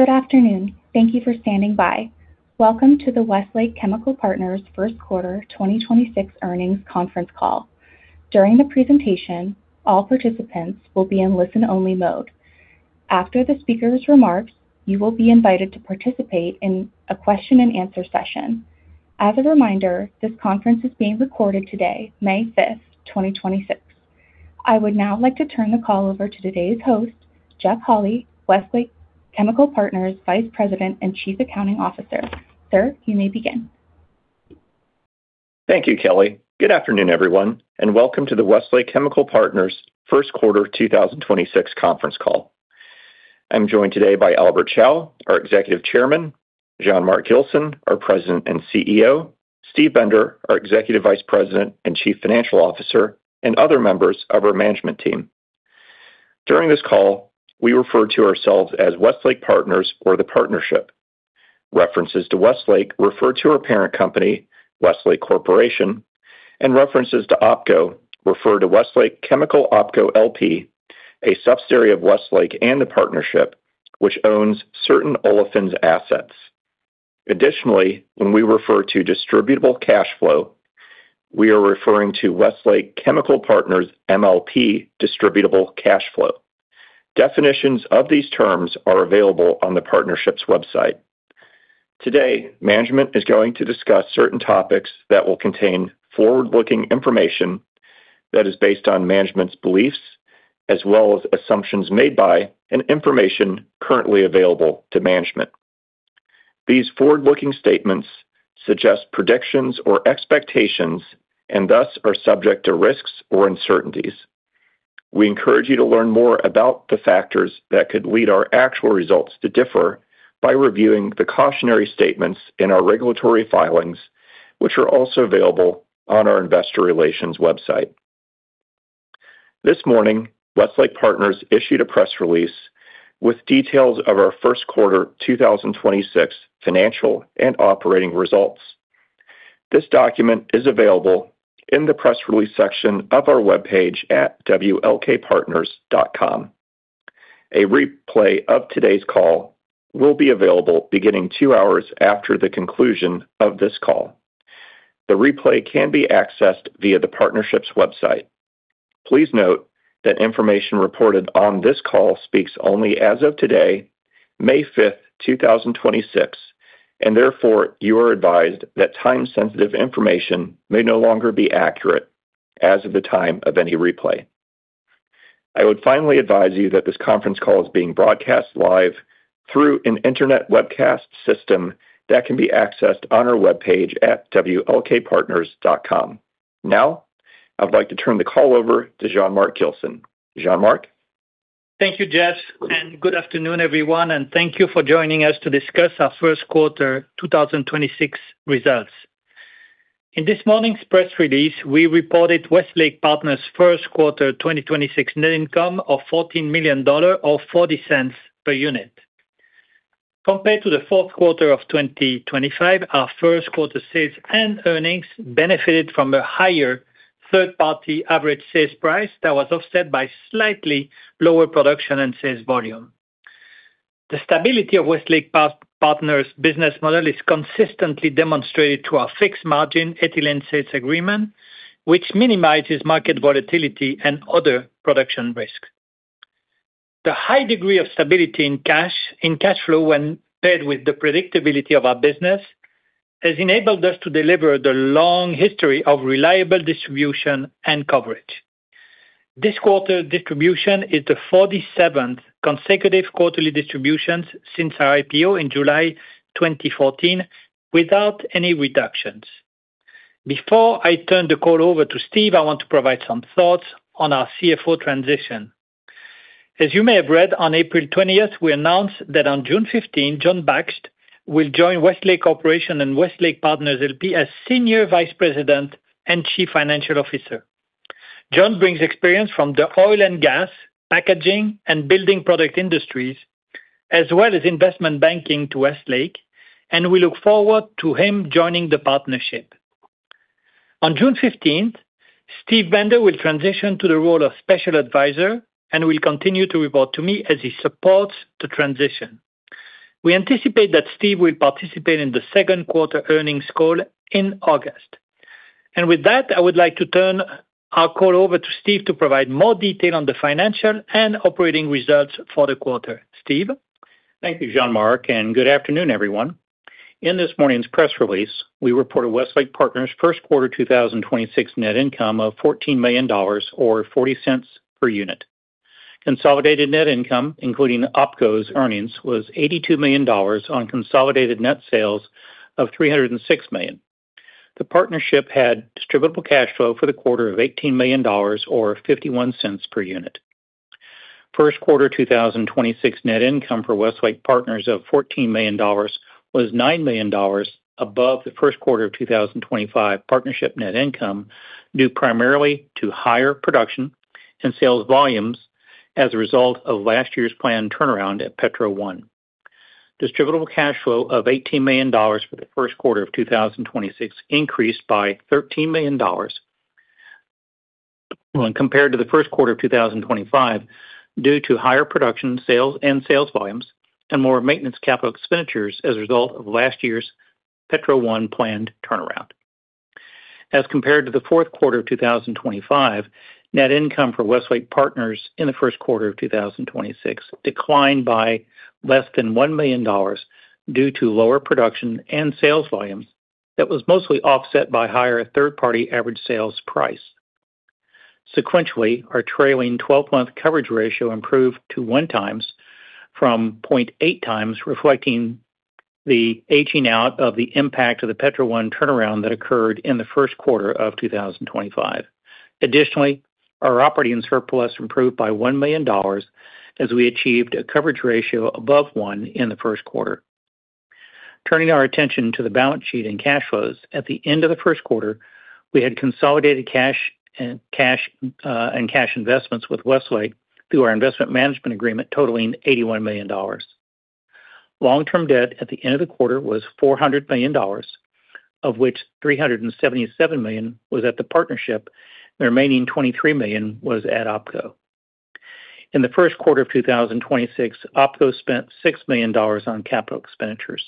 Good afternoon. Thank you for standing by. Welcome to the Westlake Chemical Partners first quarter 2026 earnings conference call. During the presentation, all participants will be in listen-only mode. After the speaker's remarks, you will be invited to participate in a question and answer session. As a reminder, this conference is being recorded today, May 5, 2026. I would now like to turn the call over to today's host, Jeff Hawley, Westlake Chemical Partners Vice President and Chief Accounting Officer. Sir, you may begin. Thank you, Kelly. Good afternoon, everyone, and welcome to the Westlake Chemical Partners first quarter 2026 conference call. I'm joined today by Albert Chao, our Executive Chairman, Jean-Marc Gilson, our President and CEO, Steve Bender, our Executive Vice President and Chief Financial Officer, and other members of our management team. During this call, we refer to ourselves as Westlake Partners or the Partnership. References to Westlake refer to our parent company, Westlake Corporation, and references to OpCo refer to Westlake Chemical OpCo LP, a subsidiary of Westlake and the Partnership which owns certain olefins assets. Additionally, when we refer to distributable cash flow, we are referring to Westlake Chemical Partners MLP distributable cash flow. Definitions of these terms are available on the partnership's website. Today, management is going to discuss certain topics that will contain forward-looking information that is based on management's beliefs as well as assumptions made by and information currently available to management. These forward-looking statements suggest predictions or expectations and thus are subject to risks or uncertainties. We encourage you to learn more about the factors that could lead our actual results to differ by reviewing the cautionary statements in our regulatory filings, which are also available on our investor relations website. This morning, Westlake Partners issued a press release with details of our first quarter 2026 financial and operating results. This document is available in the press release section of our webpage at wlkpartners.com. A replay of today's call will be available beginning two hours after the conclusion of this call. The replay can be accessed via the partnership's website. Please note that information reported on this call speaks only as of today, May 5th, 2026, and therefore you are advised that time-sensitive information may no longer be accurate as of the time of any replay. I would finally advise you that this conference call is being broadcast live through an internet webcast system that can be accessed on our webpage at wlkpartners.com. Now, I'd like to turn the call over to Jean-Marc Gilson. Jean-Marc? Thank you, Jeff, and good afternoon, everyone, and thank you for joining us to discuss our first quarter 2026 results. In this morning's press release, we reported Westlake Partners first quarter 2026 net income of $14 million or $0.40 per unit. Compared to the fourth quarter of 2025, our first quarter sales and earnings benefited from a higher third-party average sales price that was offset by slightly lower production and sales volume. The stability of Westlake Partners business model is consistently demonstrated to our fixed margin ethylene sales agreement, which minimizes market volatility and other production risk. The high degree of stability in cash flow when paired with the predictability of our business has enabled us to deliver the long history of reliable distribution and coverage. This quarter distribution is the 47th consecutive quarterly distribution since our IPO in July 2014 without any reductions. Before I turn the call over to Steve Bender, I want to provide some thoughts on our CFO transition. As you may have read, on April 20, we announced that on June 15, John Bakst will join Westlake Corporation and Westlake Partners LP as Senior Vice President and Chief Financial Officer. John brings experience from the oil and gas, packaging, and building product industries, as well as investment banking to Westlake, and we look forward to him joining the partnership. On June 15, Steve Bender will transition to the role of special advisor and will continue to report to me as he supports the transition. We anticipate that Steve Bender will participate in the second quarter earnings call in August. With that, I would like to turn our call over to Steve to provide more detail on the financial and operating results for the quarter. Steve? Thank you, Jean-Marc, and good afternoon, everyone. In this morning's press release, we reported Westlake Partners first quarter 2026 net income of $14 million or $0.40 per unit. Consolidated net income, including OpCo's earnings, was $82 million on consolidated net sales of $306 million. The partnership had distributable cash flow for the quarter of $18 million or $0.51 per unit. First quarter 2026 net income for Westlake Partners of $14 million was $9 million above the first quarter of 2025 partnership net income, due primarily to higher production and sales volumes as a result of last year's planned turnaround at Petro 1. Distributable cash flow of $18 million for the first quarter of 2026 increased by $13 million when compared to the first quarter of 2025, due to higher production sales and sales volumes and more maintenance capital expenditures as a result of last year's Petro 1 planned turnaround. As compared to the fourth quarter of 2025, net income for Westlake Partners in the first quarter of 2026 declined by less than $1 million due to lower production and sales volumes that was mostly offset by higher third-party average sales price. Sequentially, our trailing 12-month coverage ratio improved to 1x from 0.8x, reflecting the aging out of the impact of the Petro 1 turnaround that occurred in the first quarter of 2025. Our operating surplus improved by $1 million as we achieved a coverage ratio above 1 in the first quarter. Turning our attention to the balance sheet and cash flows, at the end of the first quarter, we had consolidated cash in cash investments with Westlake through our investment management agreement totaling $81 million. Long-term debt at the end of the quarter was $400 million, of which $377 million was at the partnership. The remaining $23 million was at OpCo. In the first quarter of 2026, OpCo spent $6 million on capital expenditures.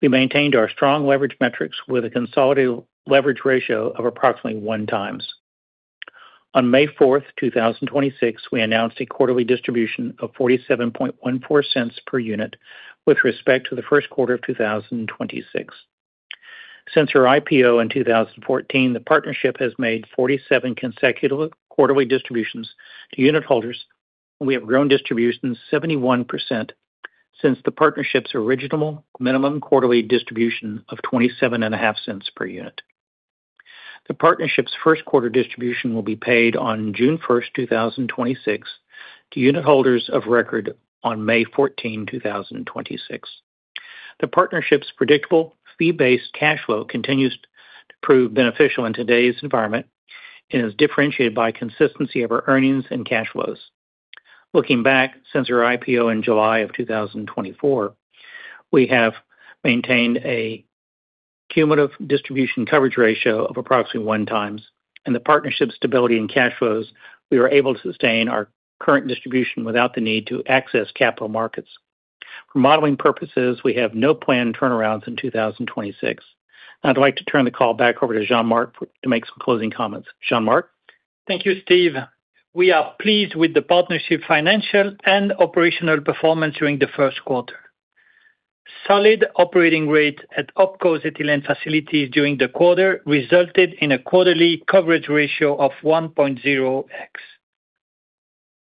We maintained our strong leverage metrics with a consolidated leverage ratio of approximately 1x On May 4, 2026, we announced a quarterly distribution of $0.4714 per unit with respect to the first quarter of 2026. Since our IPO in 2014, the partnership has made 47 consecutive quarterly distributions to unitholders. We have grown distributions 71% since the partnership's original minimum quarterly distribution of $0.275 per unit. The partnership's first quarter distribution will be paid on June 1, 2026 to unitholders of record on May 14, 2026. The partnership's predictable fee-based cash flow continues to prove beneficial in today's environment and is differentiated by consistency of our earnings and cash flows. Looking back, since our IPO in July of 2024, we have maintained a cumulative distribution coverage ratio of approximately 1x and the partnership stability and cash flows, we were able to sustain our current distribution without the need to access capital markets. For modeling purposes, we have no planned turnarounds in 2026. Now I'd like to turn the call back over to Jean-Marc to make some closing comments. Jean-Marc? Thank you, Steven. We are pleased with the partnership financial and operational performance during the first quarter. Solid operating rates at OpCo's ethylene facilities during the quarter resulted in a quarterly coverage ratio of 1.0x.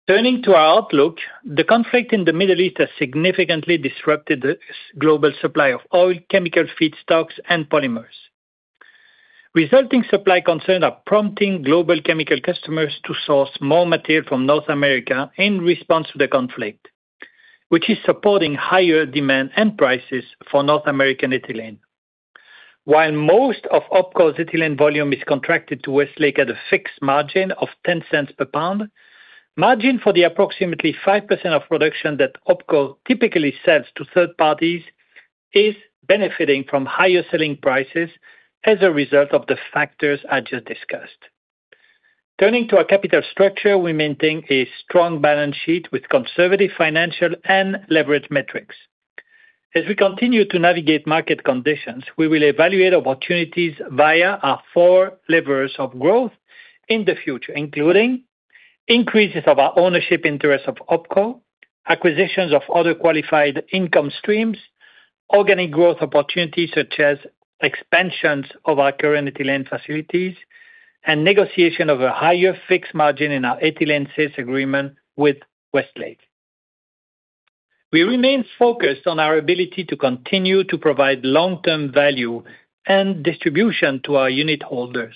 Turning to our outlook, the conflict in the Middle East has significantly disrupted the global supply of oil, chemical feedstocks, and polymers. Resulting supply concerns are prompting global chemical customers to source more material from North America in response to the conflict, which is supporting higher demand and prices for North American ethylene. While most of OpCo's ethylene volume is contracted to Westlake at a fixed margin of $0.10 per pound, margin for the approximately 5% of production that OpCo typically sells to third parties is benefiting from higher selling prices as a result of the factors I just discussed. Turning to our capital structure, we maintain a strong balance sheet with conservative financial and leverage metrics. As we continue to navigate market conditions, we will evaluate opportunities via our four levers of growth in the future, including increases of our ownership interest of OpCo, acquisitions of other qualified income streams, organic growth opportunities such as expansions of our current ethylene facilities, negotiation of a higher fixed margin in our ethylene sales agreement with Westlake. We remain focused on our ability to continue to provide long-term value and distribution to our unitholders.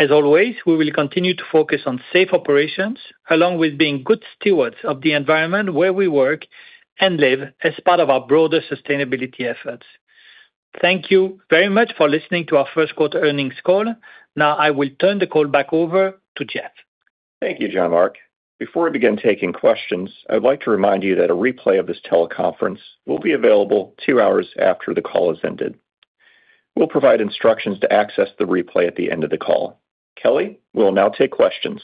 As always, we will continue to focus on safe operations, along with being good stewards of the environment where we work and live as part of our broader sustainability efforts. Thank you very much for listening to our first quarter earnings call. Now I will turn the call back over to Jeff. Thank you, Jean-Marc. Before we begin taking questions, I'd like to remind you that a replay of this teleconference will be available two hours after the call has ended. We'll provide instructions to access the replay at the end of the call. Kelly, we will now take questions.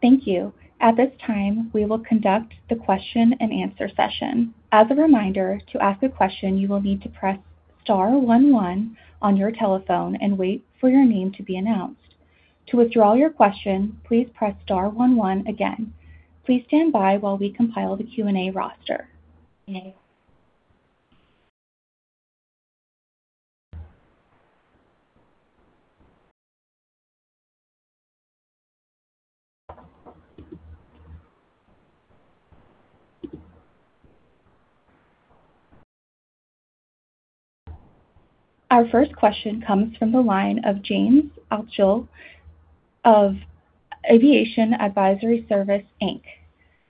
Thank you. At this time, we will conduct the question-and-answer session. As a reminder, to ask a question, you will need to press star one one on your telephone and wait for your name to be announced. To withdraw your question, please press star one one again. Please stand by while we compile the Q&A roster. Our first question comes from the line of James Auchil of Aviation Advisory Service Inc.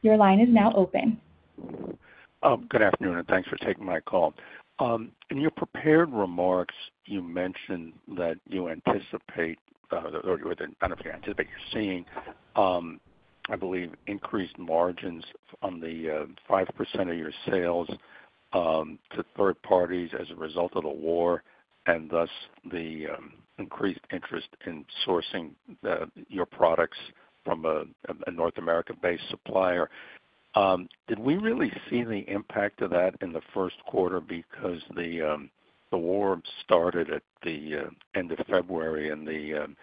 Your line is now open. Good afternoon, thanks for taking my call. In your prepared remarks, you mentioned that you anticipate, or I don't know if you anticipate, you're seeing, I believe increased margins on the 5% of your sales to third parties as a result of the war and thus the increased interest in sourcing your products from a North America-based supplier. Did we really see the impact of that in the first quarter? The war started at the end of February and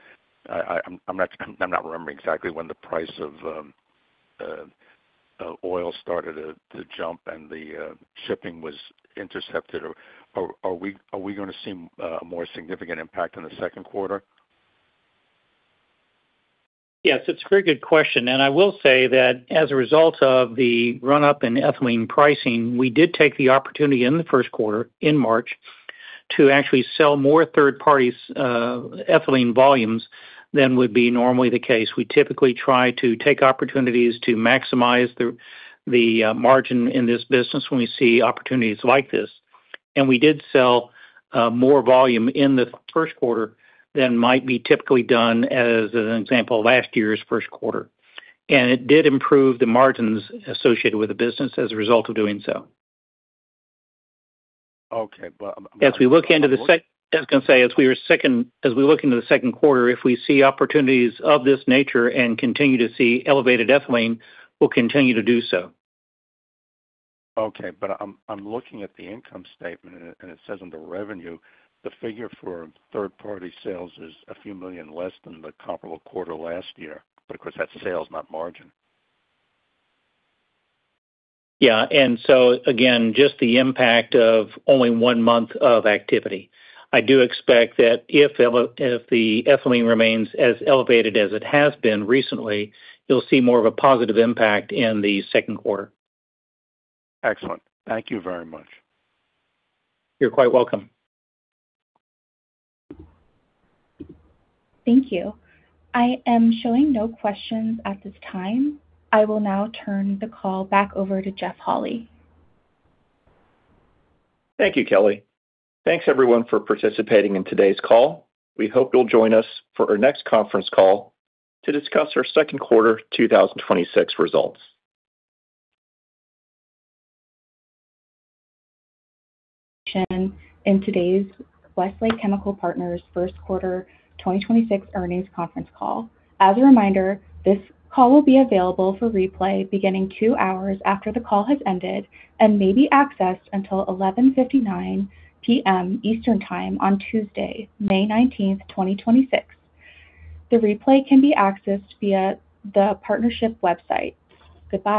I'm not remembering exactly when the price of oil started to jump and the shipping was intercepted. Are we gonna see a more significant impact on the second quarter? Yes, it's a very good question. I will say that as a result of the run-up in ethylene pricing, we did take the opportunity in the first quarter, in March, to actually sell more third parties, ethylene volumes than would be normally the case. We typically try to take opportunities to maximize the margin in this business when we see opportunities like this. We did sell more volume in the first quarter than might be typically done as an example, last year's first quarter. It did improve the margins associated with the business as a result of doing so. Okay. As we look into the second quarter, if we see opportunities of this nature and continue to see elevated ethylene, we'll continue to do so. Okay. I'm looking at the income statement and it says under revenue, the figure for third-party sales is a few million less than the comparable quarter last year. Of course that's sales, not margin. Again, just the impact of only one month of activity. I do expect that if the ethylene remains as elevated as it has been recently, you'll see more of a positive impact in the second quarter. Excellent. Thank you very much. You're quite welcome. Thank you. I am showing no questions at this time. I will now turn the call back over to Jeff Hawley. Thank you, Kelly. Thanks everyone for participating in today's call. We hope you'll join us for our next conference call to discuss our second quarter 2026 results. In today's Westlake Chemical Partners first quarter 2026 earnings conference call. As a reminder, this call will be available for replay beginning two hours after the call has ended and may be accessed until 11:59 P.M. Eastern Time on Tuesday, May 19th, 2026. The replay can be accessed via the partnership website. Goodbye.